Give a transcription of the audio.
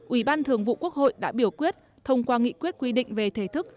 ủy ban thường vụ quốc hội đã biểu quyết thông qua nghị quyết quy định về thể thức